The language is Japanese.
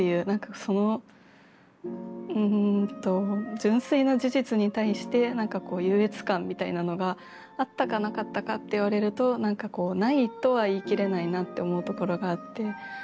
そのうんと純粋な事実に対して何かこう優越感みたいなのがあったかなかったかって言われると何かこうないとは言い切れないなって思うところがあって。